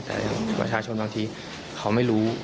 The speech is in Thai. แต่ประชาชนบางทีเขาไม่รู้